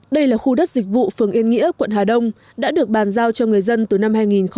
đây là khu đất dịch vụ phường yên nghĩa quận hà đông đã được bàn giao cho người dân từ năm hai nghìn một mươi